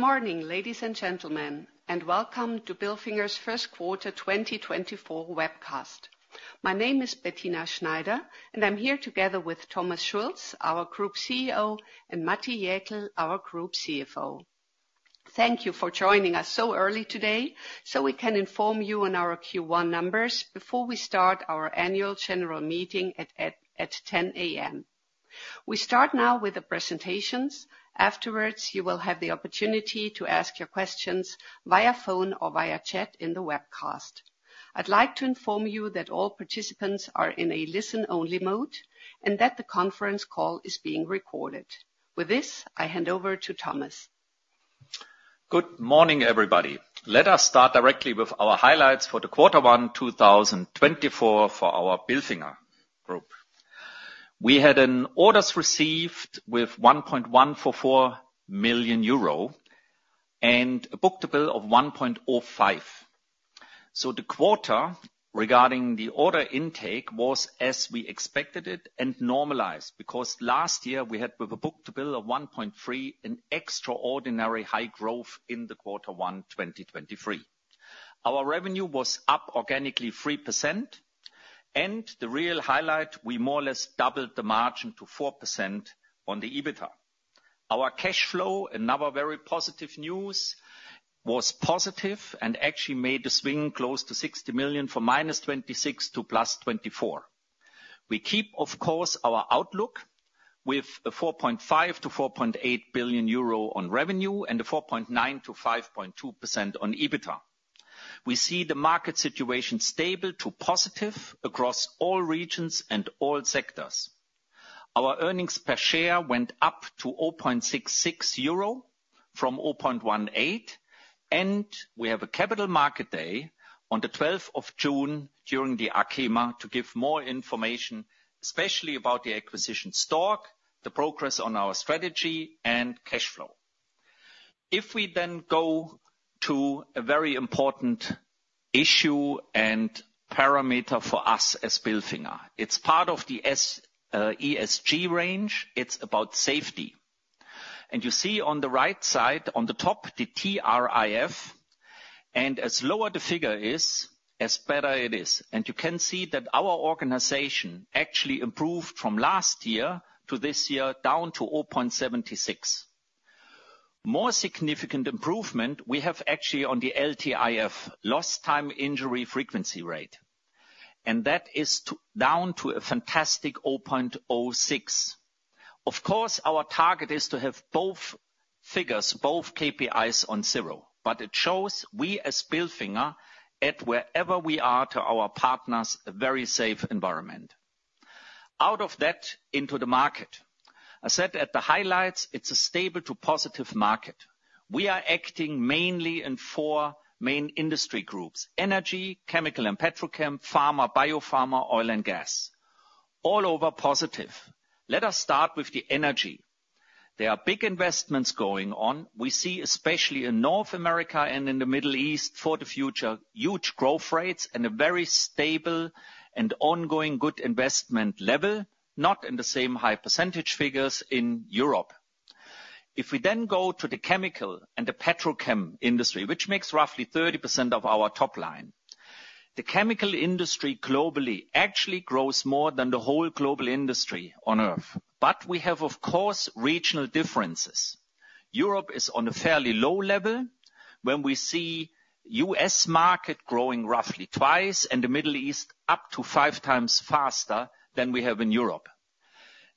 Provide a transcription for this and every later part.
Good morning, ladies and gentlemen, and welcome to Bilfinger's First Quarter 2024 Webcast. My name is Bettina Schneider, and I'm here together with Thomas Schulz, our Group CEO, and Matti Jäkel, our Group CFO. Thank you for joining us so early today so we can inform you on our Q1 numbers before we start our annual general meeting at 10:00 A.M. We start now with the presentations. Afterwards, you will have the opportunity to ask your questions via phone or via chat in the webcast. I'd like to inform you that all participants are in a listen-only mode and that the conference call is being recorded. With this, I hand over to Thomas. Good morning, everybody. Let us start directly with our highlights for Q1 2024 for our Bilfinger Group. We had an orders received with 1,144 million euro and a book-to-bill of 1.05. So the quarter regarding the order intake was as we expected it and normalized because last year we had with a book-to-bill of 1.3 an extraordinary high growth in Q1 2023. Our revenue was up organically 3%, and the real highlight: we more or less doubled the margin to 4% on the EBITDA. Our cash flow, another very positive news, was positive and actually made the swing close to 60 million from -26 million to +24 million. We keep, of course, our outlook with 4.5 billion-4.8 billion euro on revenue and 4.9%-5.2% on EBITDA. We see the market situation stable to positive across all regions and all sectors. Our earnings per share went up to 0.66 euro from 0.18, and we have a Capital Markets Day on the 12th of June during the ACHEMA to give more information, especially about the acquisition Stork, the progress on our strategy, and cash flow. If we then go to a very important issue and parameter for us as Bilfinger: it's part of the ESG range, it's about safety. You see on the right side, on the top, the TRIF, and as lower the figure is, the better it is. You can see that our organization actually improved from last year to this year down to 0.76. More significant improvement we have actually on the LTIF, Lost Time Injury Frequency Rate. That is down to a fantastic 0.06. Of course, our target is to have both figures, both KPIs, on 0, but it shows we, as Bilfinger, at wherever we are to our partners, a very safe environment. Out of that, into the market. As said at the highlights, it's a stable to positive market. We are acting mainly in 4 main industry groups: energy, chemical and petrochem, pharma, biopharma, oil and gas. All over positive. Let us start with the energy. There are big investments going on. We see, especially in North America and in the Middle East for the future, huge growth rates and a very stable and ongoing good investment level, not in the same high percentage figures in Europe. If we then go to the chemical and the petrochem industry, which makes roughly 30% of our top line, the chemical industry globally actually grows more than the whole global industry on Earth. But we have, of course, regional differences. Europe is on a fairly low level when we see the U.S. market growing roughly twice and the Middle East up to 5x faster than we have in Europe.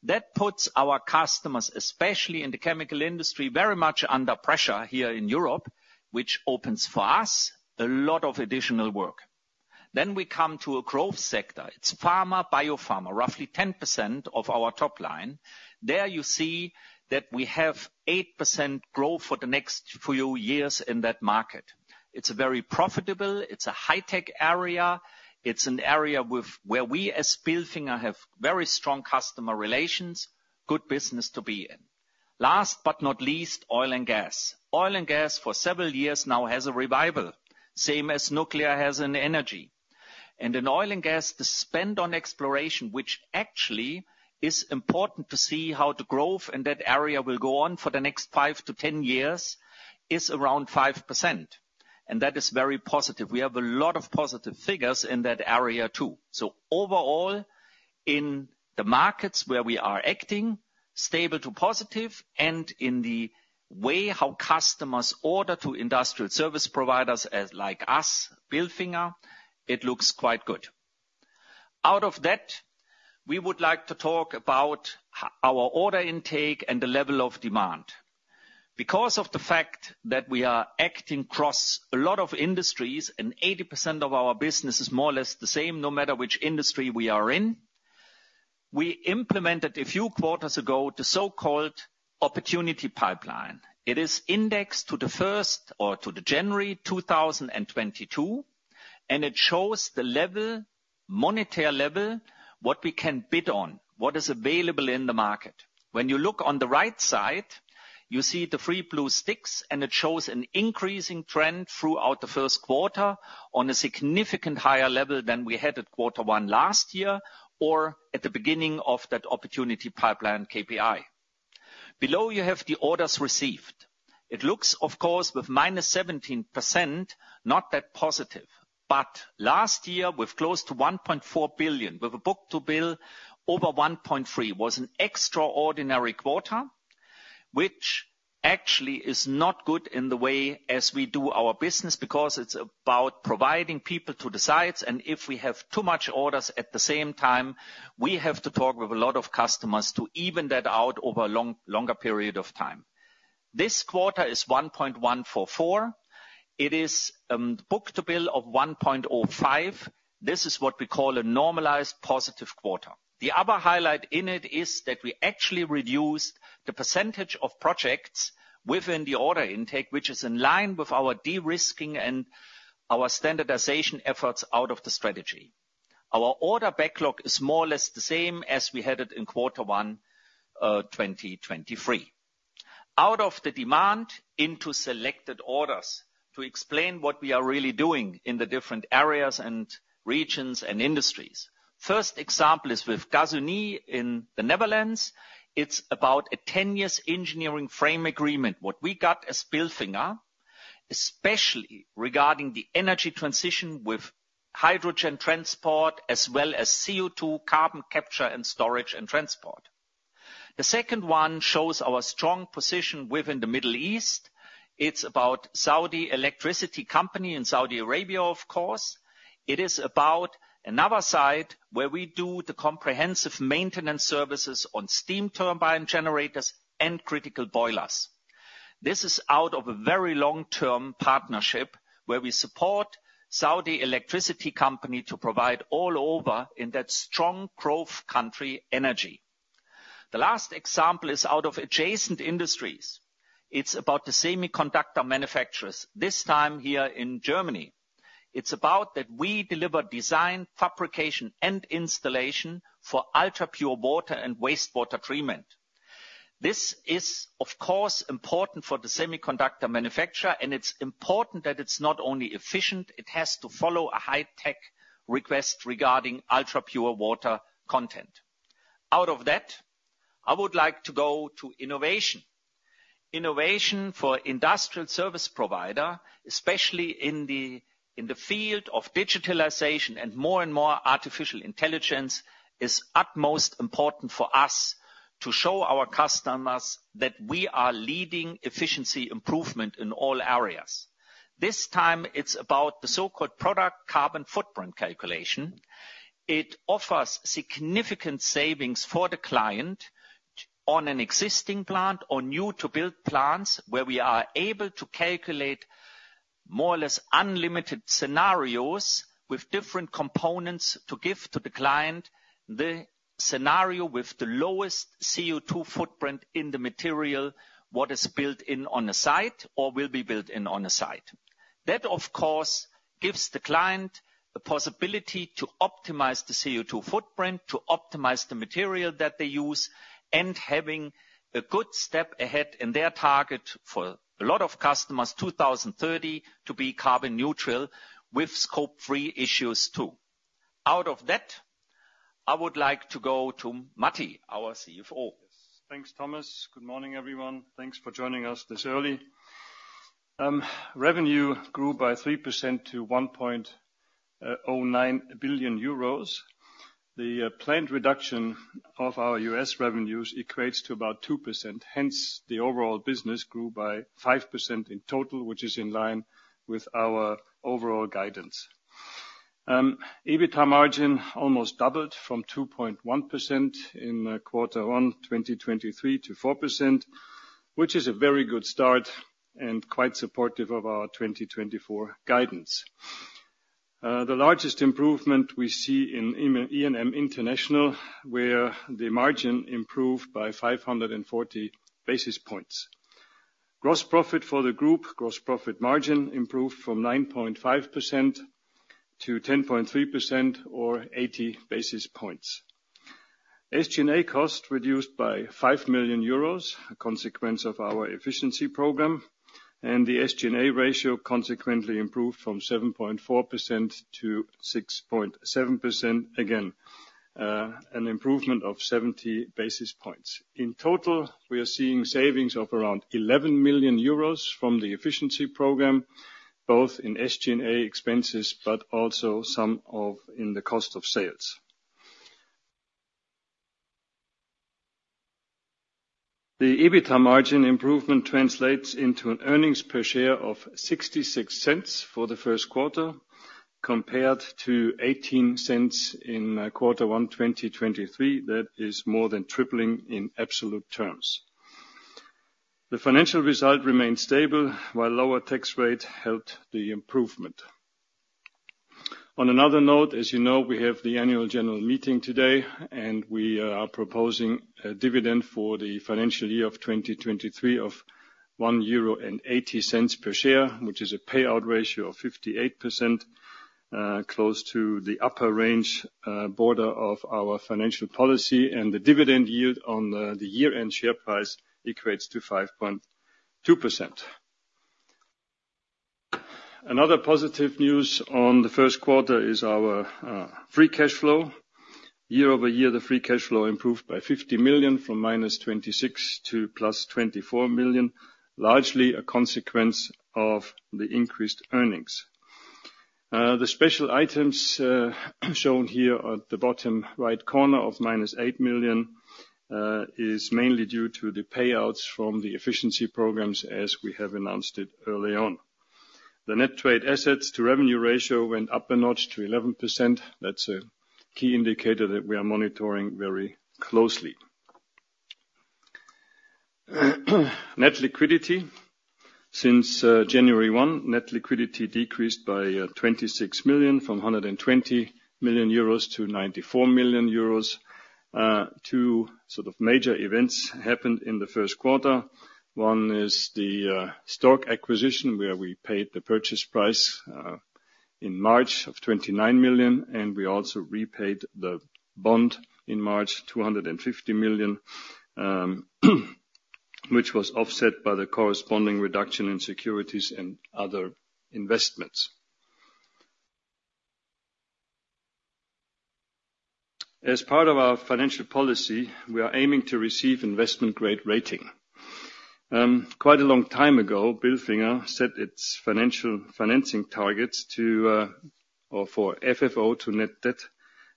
That puts our customers, especially in the chemical industry, very much under pressure here in Europe, which opens for us a lot of additional work. Then we come to a growth sector. It's pharma, biopharma, roughly 10% of our top line. There you see that we have 8% growth for the next few years in that market. It's very profitable, it's a high-tech area, it's an area where we as Bilfinger have very strong customer relations, good business to be in. Last but not least, oil and gas. Oil and gas for several years now has a revival, same as nuclear has in energy. In oil and gas, the spend on exploration, which actually is important to see how the growth in that area will go on for the next 5-10 years, is around 5%. And that is very positive. We have a lot of positive figures in that area too. So overall, in the markets where we are acting, stable to positive, and in the way how customers order to industrial service providers like us, Bilfinger, it looks quite good. Out of that, we would like to talk about our order intake and the level of demand. Because of the fact that we are acting across a lot of industries and 80% of our business is more or less the same no matter which industry we are in, we implemented a few quarters ago the so-called Opportunity Pipeline. It is indexed to the first or to January 2022, and it shows the level, monetary level, what we can bid on, what is available in the market. When you look on the right side, you see the three blue sticks, and it shows an increasing trend throughout the first quarter on a significantly higher level than we had at Q1 last year or at the beginning of that Opportunity Pipeline KPI. Below, you have the orders received. It looks, of course, with -17%, not that positive. But last year, with close to 1.4 billion, with a book-to-bill over 1.3, was an extraordinary quarter, which actually is not good in the way as we do our business because it's about providing people to decide, and if we have too much orders at the same time, we have to talk with a lot of customers to even that out over a longer period of time. This quarter is 1.144 billion. It is a book-to-bill of 1.05. This is what we call a normalized positive quarter. The other highlight in it is that we actually reduced the percentage of projects within the order intake, which is in line with our de-risking and our standardization efforts out of the strategy. Our order backlog is more or less the same as we had it in Q1 2023. Out of the demand into selected orders to explain what we are really doing in the different areas and regions and industries. First example is with Gasunie in the Netherlands. It's about a 10-year engineering frame agreement, what we got as Bilfinger, especially regarding the energy transition with hydrogen transport as well as CO2 carbon capture and storage and transport. The second one shows our strong position within the Middle East. It's about Saudi Electricity Company in Saudi Arabia, of course. It is about another site where we do the comprehensive maintenance services on steam turbine generators and critical boilers. This is out of a very long-term partnership where we support Saudi Electricity Company to provide all over in that strong growth country energy. The last example is out of adjacent industries. It's about the semiconductor manufacturers, this time here in Germany. It's about that we deliver design, fabrication, and installation for ultra-pure water and wastewater treatment. This is, of course, important for the semiconductor manufacturer, and it's important that it's not only efficient. It has to follow a high-tech request regarding ultra-pure water content. Out of that, I would like to go to innovation. Innovation for an industrial service provider, especially in the field of digitalization and more and more artificial intelligence, is utmost important for us to show our customers that we are leading efficiency improvement in all areas. This time, it's about the so-called product carbon footprint calculation. It offers significant savings for the client on an existing plant or new-to-build plants where we are able to calculate more or less unlimited scenarios with different components to give to the client the scenario with the lowest CO2 footprint in the material what is built in on a site or will be built in on a site. That, of course, gives the client the possibility to optimize the CO2 footprint, to optimize the material that they use, and having a good step ahead in their target for a lot of customers, 2030, to be carbon neutral with Scope 3 issues too. Out of that, I would like to go to Matti, our CFO. Thanks, Thomas. Good morning, everyone. Thanks for joining us this early. Revenue grew by 3% to 1.09 billion euros. The plant reduction of our U.S. revenues equates to about 2%. Hence, the overall business grew by 5% in total, which is in line with our overall guidance. EBITDA margin almost doubled from 2.1% in Q1 2023 to 4%, which is a very good start and quite supportive of our 2024 guidance. The largest improvement we see in E&M International, where the margin improved by 540 basis points. Gross profit for the group, gross profit margin, improved from 9.5%-10.3% or 80 basis points. SG&A cost reduced by 5 million euros, a consequence of our efficiency program. The SG&A ratio consequently improved from 7.4%-6.7%, again, an improvement of 70 basis points. In total, we are seeing savings of around 11 million euros from the efficiency program, both in SG&A expenses but also some in the cost of sales. The EBITDA margin improvement translates into an earnings per share of 0.0066 for the first quarter compared to 0.0018 in Q1 2023. That is more than tripling in absolute terms. The financial result remained stable while lower tax rate helped the improvement. On another note, as you know, we have the annual general meeting today, and we are proposing a dividend for the financial year of 2023 of 1.80 euro per share, which is a payout ratio of 58%, close to the upper range border of our financial policy. The dividend yield on the year-end share price equates to 5.2%. Another positive news on the first quarter is our free cash flow. Year-over-year, the free cash flow improved by 50 million from -26 million to +24 million, largely a consequence of the increased earnings. The special items shown here at the bottom right corner of -8 million is mainly due to the payouts from the efficiency programs, as we have announced it early on. The net trade assets to revenue ratio went up a notch to 11%. That's a key indicator that we are monitoring very closely. Net liquidity since January 1 decreased by 26 million from 120 million euros to 94 million euros. Two sort of major events happened in the first quarter. One is the Stork acquisition where we paid the purchase price in March of 29 million, and we also repaid the bond in March, 250 million, which was offset by the corresponding reduction in securities and other investments. As part of our financial policy, we are aiming to receive investment-grade rating. Quite a long time ago, Bilfinger set its financial financing targets to or for FFO to net debt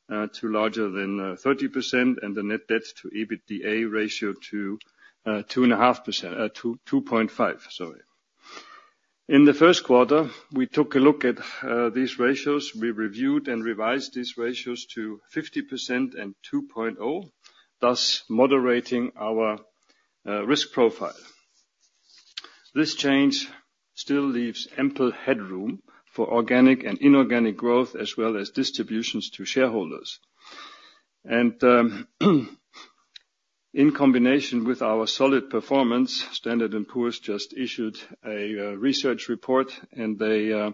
to larger than 30% and the net debt to EBITDA ratio to 2.5%. Sorry. In the first quarter, we took a look at these ratios. We reviewed and revised these ratios to 50% and 2.0, thus moderating our risk profile. This change still leaves ample headroom for organic and inorganic growth as well as distributions to shareholders. In combination with our solid performance, Standard & Poor's just issued a research report, and they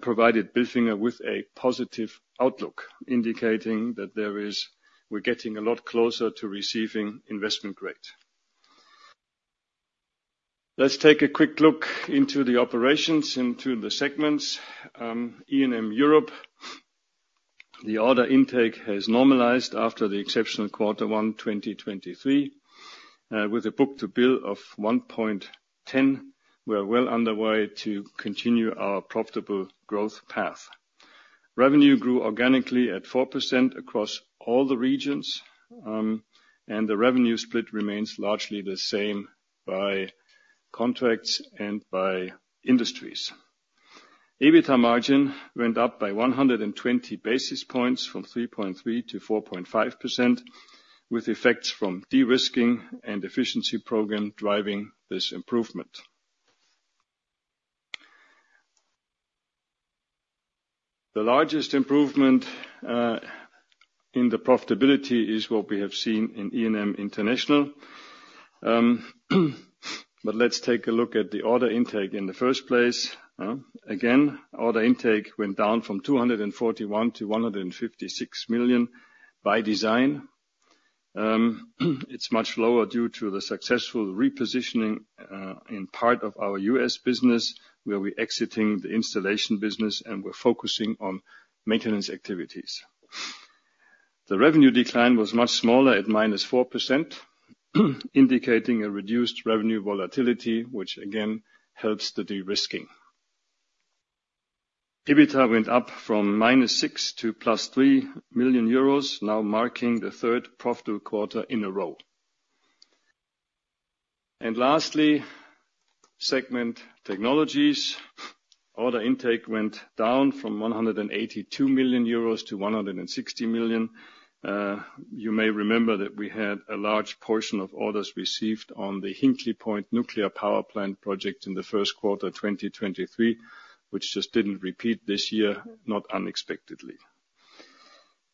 provided Bilfinger with a positive outlook indicating that we're getting a lot closer to receiving investment grade. Let's take a quick look into the operations, into the segments. E&M Europe, the order intake has normalized after the exceptional Q1 2023. With a book-to-bill of 1.10, we are well underway to continue our profitable growth path. Revenue grew organically at 4% across all the regions, and the revenue split remains largely the same by contracts and by industries. EBITDA margin went up by 120 basis points from 3.3%-4.5%, with effects from de-risking and efficiency program driving this improvement. The largest improvement in the profitability is what we have seen in E&M International. But let's take a look at the order intake in the first place. Again, order intake went down from 241 million to 156 million by design. It's much lower due to the successful repositioning in part of our U.S. business where we're exiting the installation business and we're focusing on maintenance activities. The revenue decline was much smaller at -4%, indicating a reduced revenue volatility, which again helps the de-risking. EBITDA went up from -6 million to +3 million euros, now marking the third profitable quarter in a row. And lastly, Segment Technologies, order intake went down from 182 million euros to 160 million. You may remember that we had a large portion of orders received on the Hinkley Point Nuclear Power Plant project in the first quarter 2023, which just didn't repeat this year, not unexpectedly.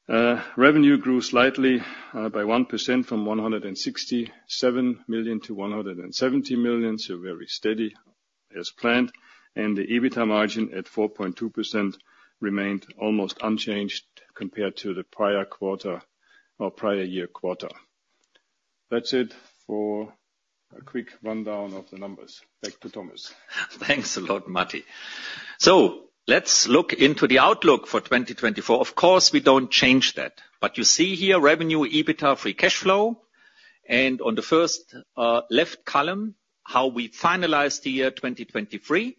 Revenue grew slightly by 1% from 167 million to 170 million, so very steady as planned. And the EBITDA margin at 4.2% remained almost unchanged compared to the prior quarter or prior year quarter. That's it for a quick rundown of the numbers. Back to Thomas. Thanks a lot, Matti. So let's look into the outlook for 2024. Of course, we don't change that. But you see here revenue, EBITDA, free cash flow. And on the first left column, how we finalized the year 2023.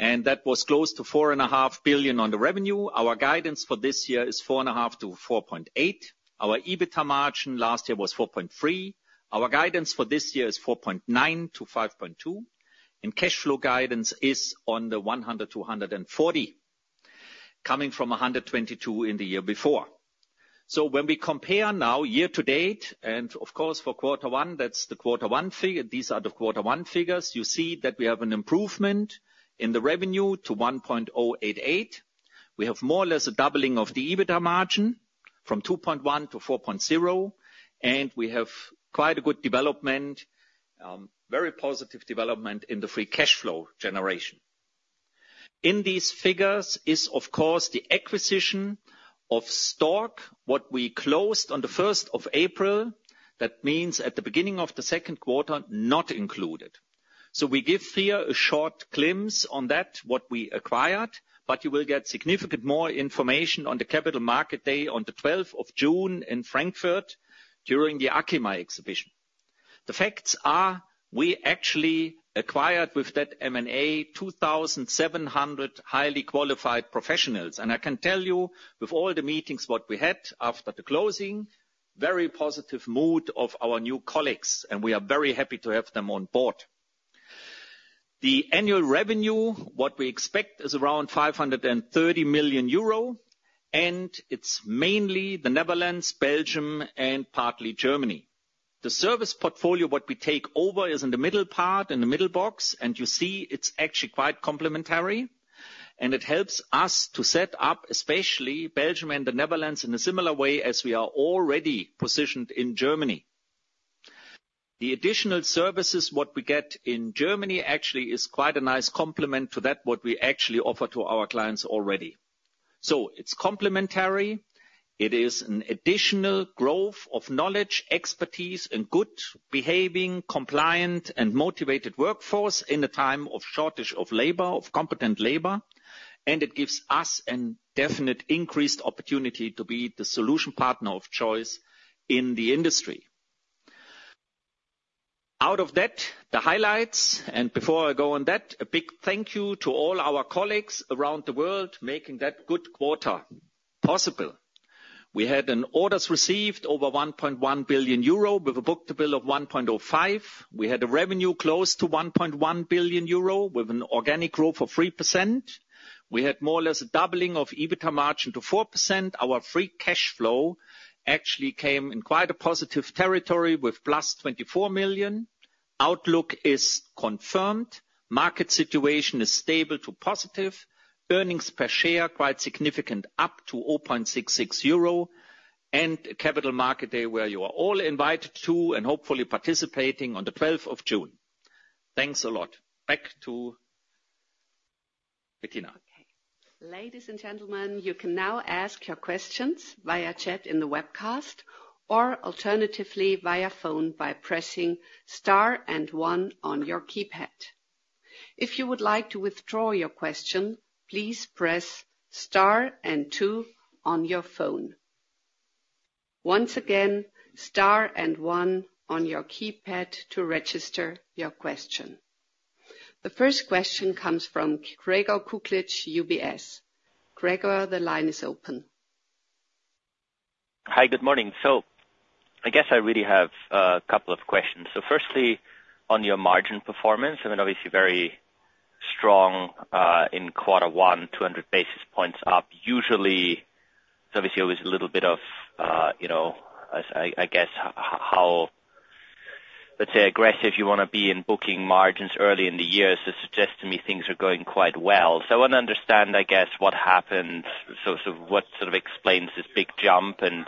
And that was close to 4.5 billion on the revenue. Our guidance for this year is 4.5 billion-4.8 billion. Our EBITDA margin last year was 4.3%. Our guidance for this year is 4.9%-5.2%. And cash flow guidance is 100 million to 140 million, coming from 122 million in the year before. So when we compare now year to date and, of course, for Q1, that's the Q1 figure. These are the Q1 figures. You see that we have an improvement in the revenue to 1.088 billion. We have more or less a doubling of the EBITDA margin from 2.1%-4.0%. We have quite a good development, very positive development in the free cash flow generation. In these figures is, of course, the acquisition of Stork, what we closed on the 1st of April. That means at the beginning of the second quarter, not included. So we give here a short glimpse on that, what we acquired. But you will get significant more information on the Capital Markets Day on the 12th of June in Frankfurt during the ACHEMA exhibition. The facts are, we actually acquired with that M&A 2,700 highly qualified professionals. And I can tell you, with all the meetings what we had after the closing, very positive mood of our new colleagues. And we are very happy to have them on board. The annual revenue, what we expect is around 530 million euro. And it's mainly the Netherlands, Belgium, and partly Germany. The service portfolio, what we take over, is in the middle part, in the middle box. You see it's actually quite complementary. It helps us to set up, especially Belgium and the Netherlands, in a similar way as we are already positioned in Germany. The additional services, what we get in Germany, actually is quite a nice complement to that, what we actually offer to our clients already. So it's complementary. It is an additional growth of knowledge, expertise, and good behaving, compliant, and motivated workforce in a time of shortage of labor, of competent labor. It gives us a definite increased opportunity to be the solution partner of choice in the industry. Out of that, the highlights. Before I go on that, a big thank you to all our colleagues around the world making that good quarter possible. We had orders received over 1.1 billion euro with a book-to-bill of 1.05. We had revenue close to 1.1 billion euro with an organic growth of 3%. We had more or less a doubling of EBITDA margin to 4%. Our free cash flow actually came in quite a positive territory with +24 million. Outlook is confirmed. Market situation is stable to positive. Earnings per share, quite significant, up to 0.66 euro. Capital Markets Day where you are all invited to and hopefully participating on the 12th of June. Thanks a lot. Back to Bettina. Okay. Ladies and gentlemen, you can now ask your questions via chat in the webcast or alternatively via phone by pressing star and one on your keypad. If you would like to withdraw your question, please press star and two on your phone. Once again, star and one on your keypad to register your question. The first question comes from Gregor Kuglitsch, UBS. Gregor, the line is open. Hi, good morning. So I guess I really have a couple of questions. So firstly, on your margin performance, I mean, obviously very strong in Q1, 200 basis points up. Usually, there's obviously always a little bit of, I guess, how, let's say, aggressive you want to be in booking margins early in the year. So it suggests to me things are going quite well. So I want to understand, I guess, what happened, sort of what sort of explains this big jump. And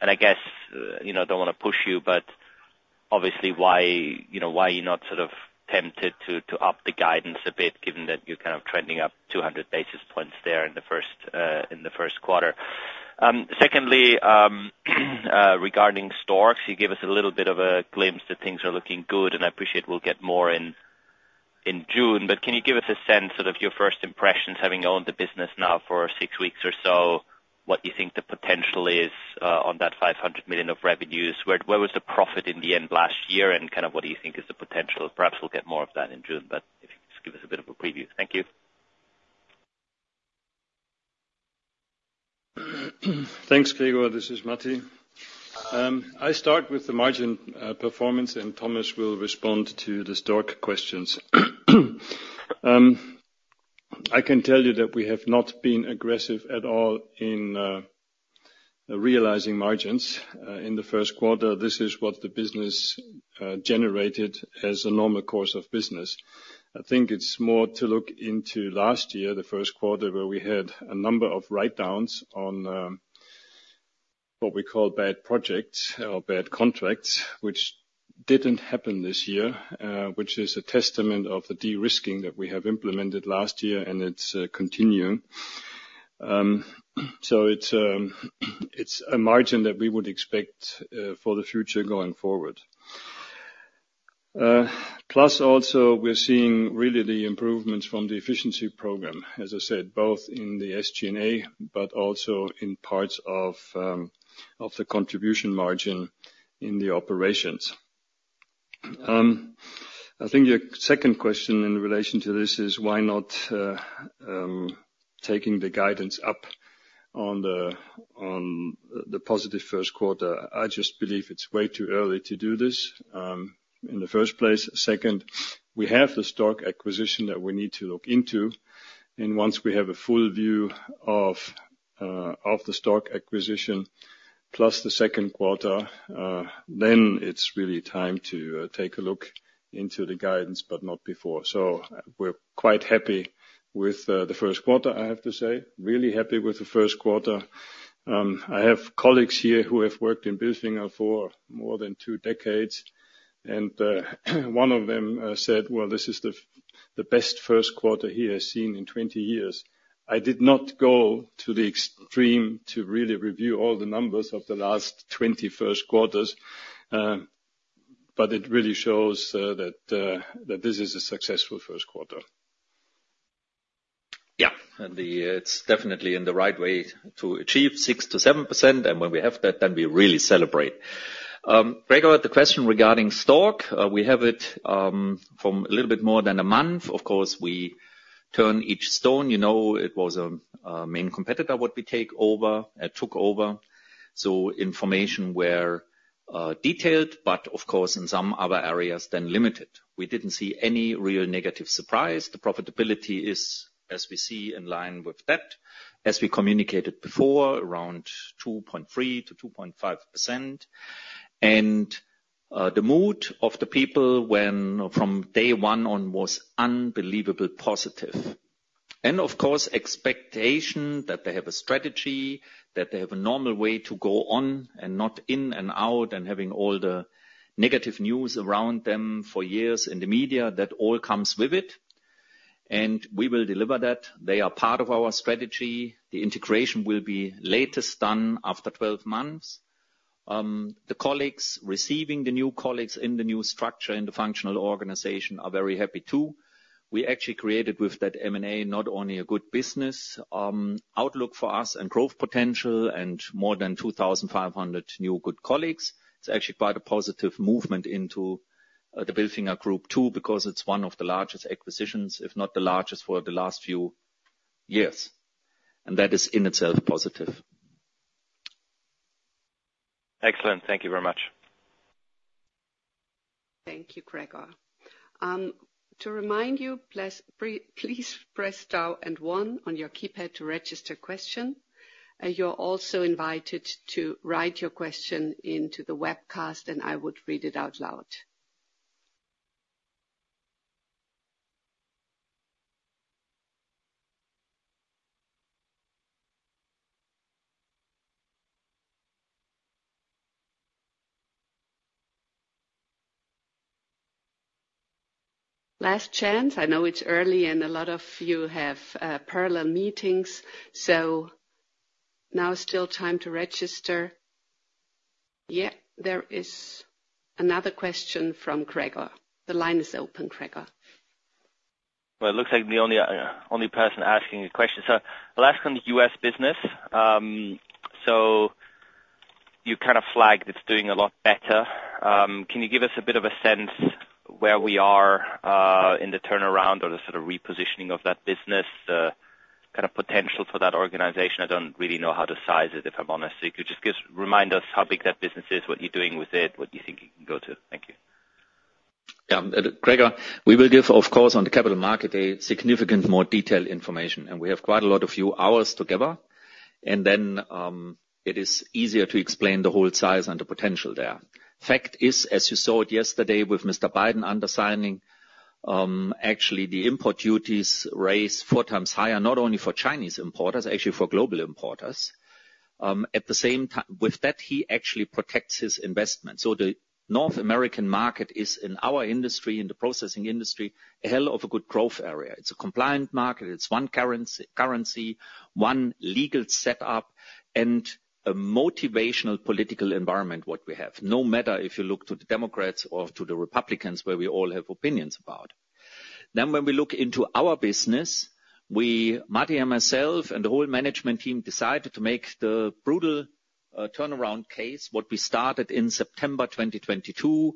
I guess, I don't want to push you, but obviously why you're not sort of tempted to up the guidance a bit given that you're kind of trending up 200 basis points there in the first quarter. Secondly, regarding Stork, you gave us a little bit of a glimpse that things are looking good. And I appreciate we'll get more in June. But can you give us a sense, sort of your first impressions having owned the business now for six weeks or so, what you think the potential is on that 500 million of revenues? Where was the profit in the end last year? And kind of what do you think is the potential? Perhaps we'll get more of that in June. But if you could just give us a bit of a preview. Thank you. Thanks, Gregor. This is Matti. I start with the margin performance, and Thomas will respond to the Stork questions. I can tell you that we have not been aggressive at all in realizing margins in the first quarter. This is what the business generated as a normal course of business. I think it's more to look into last year, the first quarter, where we had a number of write-downs on what we call bad projects or bad contracts, which didn't happen this year, which is a testament of the de-risking that we have implemented last year, and it's continuing. So it's a margin that we would expect for the future going forward. Plus also, we're seeing really the improvements from the efficiency program, as I said, both in the SG&A but also in parts of the contribution margin in the operations. I think your second question in relation to this is why not taking the guidance up on the positive first quarter. I just believe it's way too early to do this in the first place. Second, we have the Stork acquisition that we need to look into. Once we have a full view of the Stork acquisition plus the second quarter, then it's really time to take a look into the guidance, but not before. So we're quite happy with the first quarter, I have to say. Really happy with the first quarter. I have colleagues here who have worked in Bilfinger for more than two decades. One of them said, "Well, this is the best first quarter he has seen in 20 years." I did not go to the extreme to really review all the numbers of the last 20 first quarters. But it really shows that this is a successful first quarter. Yeah. And it's definitely in the right way to achieve 6%-7%. And when we have that, then we really celebrate. Gregor, the question regarding Stork, we have it from a little bit more than a month. Of course, we turn each stone. You know it was a main competitor what we take over, took over. So information where detailed, but of course, in some other areas then limited. We didn't see any real negative surprise. The profitability is, as we see, in line with that, as we communicated before, around 2.3%-2.5%. And the mood of the people from day one on was unbelievably positive. And of course, expectation that they have a strategy, that they have a normal way to go on and not in and out and having all the negative news around them for years in the media, that all comes with it. We will deliver that. They are part of our strategy. The integration will be latest done after 12 months. The colleagues, receiving the new colleagues in the new structure in the functional organization, are very happy too. We actually created with that M&A not only a good business outlook for us and growth potential and more than 2,500 new good colleagues. It's actually quite a positive movement into the Bilfinger Group too because it's one of the largest acquisitions, if not the largest, for the last few years. That is in itself positive. Excellent. Thank you very much. Thank you, Gregor. To remind you, please press star and one on your keypad to register question. You're also invited to write your question into the webcast, and I would read it out loud. Last chance. I know it's early, and a lot of you have parallel meetings. So now still time to register. Yeah, there is another question from Gregor. The line is open, Gregor. Well, it looks like the only person asking a question. So I'll ask on the U.S. business. So you kind of flagged it's doing a lot better. Can you give us a bit of a sense where we are in the turnaround or the sort of repositioning of that business, the kind of potential for that organization? I don't really know how to size it, if I'm honest. So if you could just remind us how big that business is, what you're doing with it, what you think it can go to? Thank you. Yeah. Gregor, we will give, of course, on the Capital Markets Day significant more detailed information. We have quite a lot of few hours together. Then it is easier to explain the whole size and the potential there. Fact is, as you saw it yesterday with Mr. Biden undersigning, actually, the import duties raise 4x higher, not only for Chinese importers, actually for global importers. At the same time, with that, he actually protects his investments. So the North American market is, in our industry, in the processing industry, a hell of a good growth area. It's a compliant market. It's one currency, one legal setup, and a motivational political environment what we have, no matter if you look to the Democrats or to the Republicans, where we all have opinions about. Then, when we look into our business, Matti and myself and the whole management team decided to make the brutal turnaround case, what we started in September 2022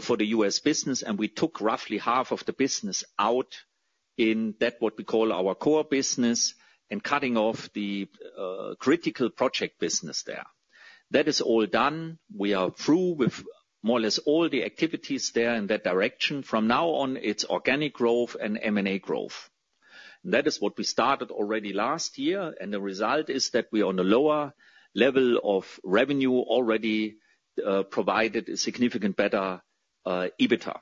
for the US business. And we took roughly half of the business out in that what we call our core business and cutting off the critical project business there. That is all done. We are through with more or less all the activities there in that direction. From now on, it's organic growth and M&A growth. That is what we started already last year. And the result is that we are on a lower level of revenue already provided a significant better EBITDA.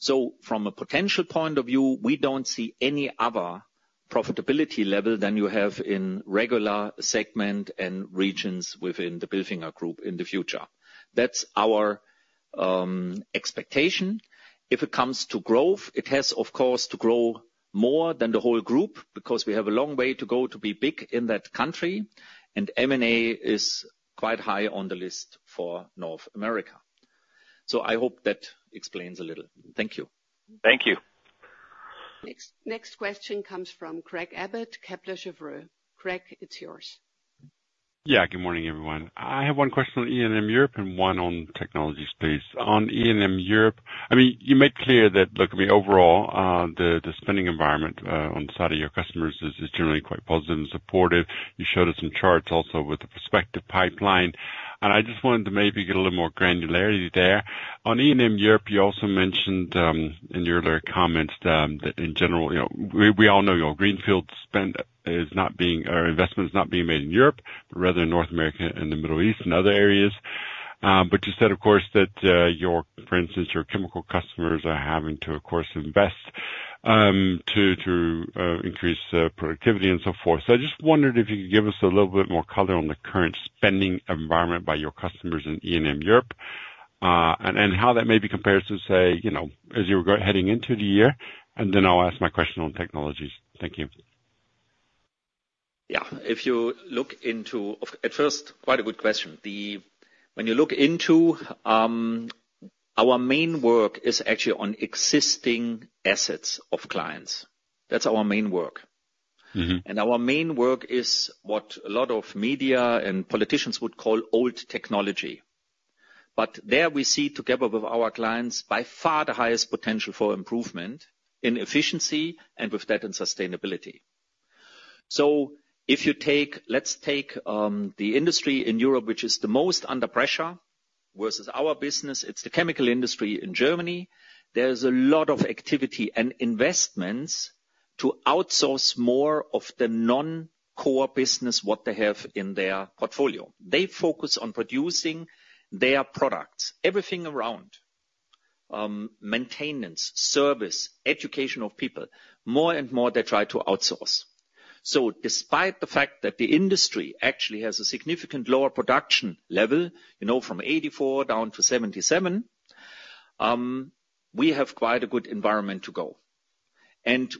So from a potential point of view, we don't see any other profitability level than you have in regular segment and regions within the Bilfinger Group in the future. That's our expectation. If it comes to growth, it has, of course, to grow more than the whole group because we have a long way to go to be big in that country. M&A is quite high on the list for North America. I hope that explains a little. Thank you. Thank you. Next question comes from Craig Abbott, Kepler Cheuvreux. Craig, it's yours. Yeah. Good morning, everyone. I have one question on E&M Europe and one on technology space. On E&M Europe, I mean, you made clear that, look, I mean, overall, the spending environment on the side of your customers is generally quite positive and supportive. You showed us some charts also with the prospective pipeline. And I just wanted to maybe get a little more granularity there. On E&M Europe, you also mentioned in your earlier comments that, in general, we all know your greenfield spend is not being or investment is not being made in Europe, but rather in North America and the Middle East and other areas. But you said, of course, that, for instance, your chemical customers are having to, of course, invest to increase productivity and so forth. I just wondered if you could give us a little bit more color on the current spending environment by your customers in E&M Europe and how that may be compared to, say, as you were heading into the year. Then I'll ask my question on technologies. Thank you. Yeah. If you look into at first, quite a good question. When you look into, our main work is actually on existing assets of clients. That's our main work. And our main work is what a lot of media and politicians would call old technology. But there we see, together with our clients, by far the highest potential for improvement in efficiency and with that, in sustainability. So, let's take the industry in Europe, which is the most under pressure versus our business. It's the chemical industry in Germany. There's a lot of activity and investments to outsource more of the non-core business what they have in their portfolio. They focus on producing their products, everything around maintenance, service, education of people. More and more, they try to outsource. So despite the fact that the industry actually has a significant lower production level, from 84 down to 77, we have quite a good environment to go.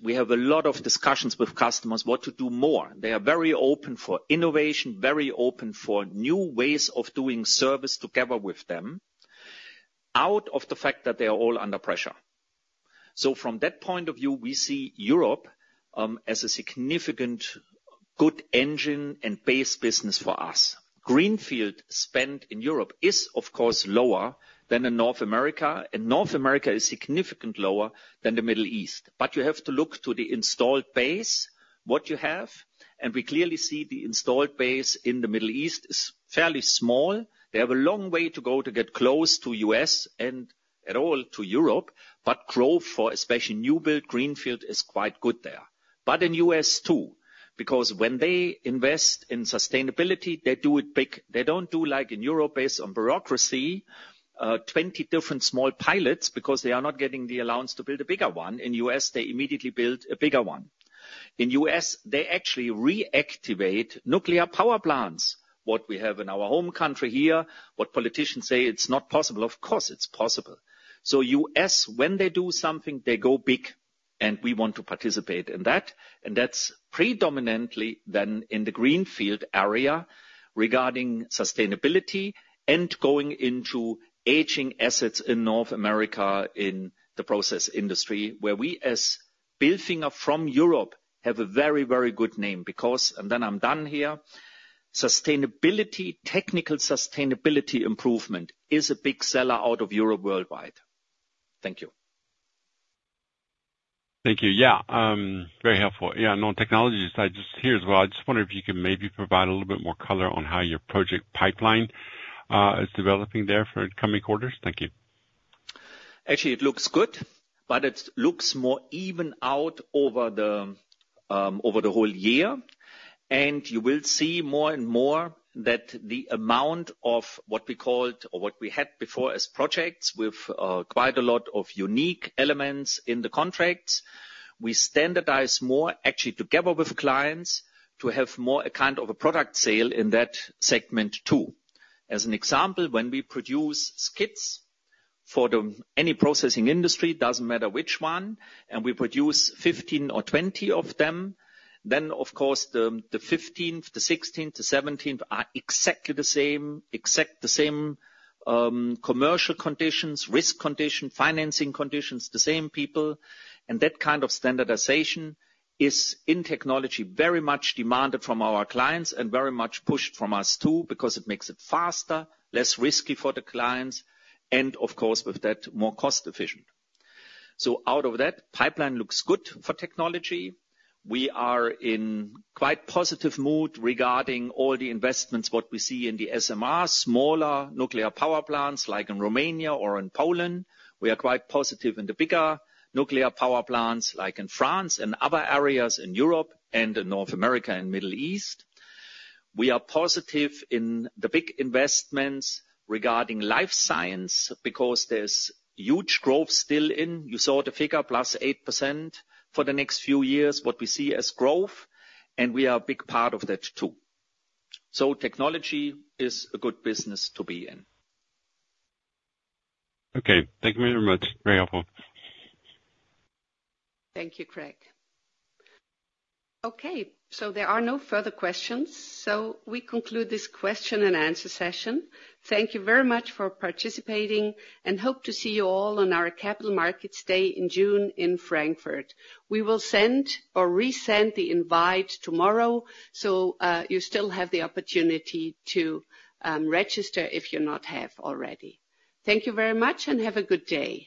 We have a lot of discussions with customers what to do more. They are very open for innovation, very open for new ways of doing service together with them out of the fact that they are all under pressure. From that point of view, we see Europe as a significant good engine and base business for us. Greenfield spend in Europe is, of course, lower than in North America. North America is significantly lower than the Middle East. But you have to look to the installed base, what you have. We clearly see the installed base in the Middle East is fairly small. They have a long way to go to get close to U.S. and at all to Europe. But growth for especially new-built greenfield is quite good there. But in U.S. too because when they invest in sustainability, they do it big. They don't do like in Europe based on bureaucracy, 20 different small pilots because they are not getting the allowance to build a bigger one. In U.S., they immediately build a bigger one. In U.S., they actually reactivate nuclear power plants, what we have in our home country here, what politicians say it's not possible. Of course, it's possible. So U.S., when they do something, they go big. And we want to participate in that. That's predominantly then in the greenfield area regarding sustainability and going into aging assets in North America in the process industry where we, as Bilfinger from Europe, have a very, very good name because and then I'm done here. Technical sustainability improvement is a big seller out of Europe worldwide. Thank you. Thank you. Yeah. Very helpful. Yeah. And on technology side, just here as well, I just wonder if you can maybe provide a little bit more color on how your project pipeline is developing there for coming quarters. Thank you. Actually, it looks good. But it looks more even out over the whole year. You will see more and more that the amount of what we called or what we had before as projects with quite a lot of unique elements in the contracts, we standardize more actually together with clients to have more a kind of a product sale in that segment too. As an example, when we produce skids for any processing industry, it doesn't matter which one. And we produce 15 or 20 of them. Then, of course, the 15th, the 16th, the 17th are exactly the same, exact the same commercial conditions, risk conditions, financing conditions, the same people. And that kind of standardization is in technology very much demanded from our clients and very much pushed from us too because it makes it faster, less risky for the clients. And of course, with that, more cost-efficient. So out of that, pipeline looks good for technology. We are in quite positive mood regarding all the investments what we see in the SMR, smaller nuclear power plants like in Romania or in Poland. We are quite positive in the bigger nuclear power plants like in France and other areas in Europe and in North America and Middle East. We are positive in the big investments regarding life science because there's huge growth still in. You saw the figure, +8% for the next few years, what we see as growth. And we are a big part of that too. So technology is a good business to be in. Okay. Thank you very much. Very helpful. Thank you, Craig. Okay. There are no further questions. We conclude this question and answer session. Thank you very much for participating. Hope to see you all on our Capital Markets Day in June in Frankfurt. We will send or resend the invite tomorrow. You still have the opportunity to register if you not have already. Thank you very much. Have a good day.